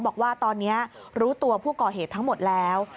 บอกว่าตอนนี้รู้ตัวผู้ก่อเหตุทั้งหมดแล้ว